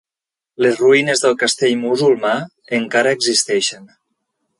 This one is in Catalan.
Les ruïnes del castell musulmà encara existeixen.